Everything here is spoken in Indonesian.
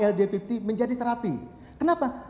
ld lima puluh menjadi terapi kenapa